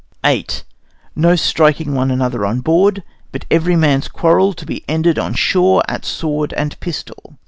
VIII No striking one another on board, but every man's quarrel to be ended on shore, at sword and pistol.